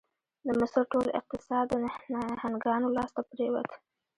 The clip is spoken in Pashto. د مصر ټول اقتصاد د نهنګانو لاس ته پرېوت.